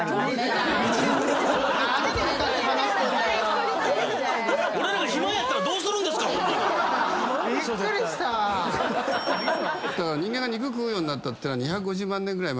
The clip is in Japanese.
人間が肉食うようになったのは２５０万年ぐらい前。